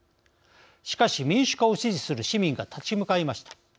しかし民主化を支持する市民が立ち向かいました。